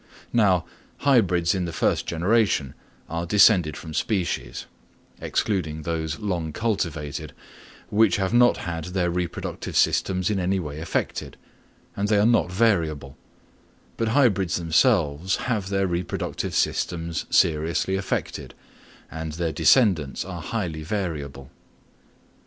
Now, hybrids in the first generation are descended from species (excluding those long cultivated) which have not had their reproductive systems in any way affected, and they are not variable; but hybrids themselves have their reproductive systems seriously affected, and their descendants are highly variable.